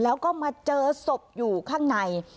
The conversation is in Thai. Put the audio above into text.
อันดับที่สุดท้าย